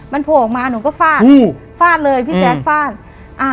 มันโผล่ออกมาหนูก็ฟาดอืมฟาดเลยพี่แจ๊คฟาดอ่า